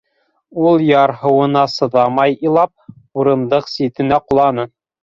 — Ул, ярһыуына сыҙамай илап, урындыҡ ситенә ҡоланы.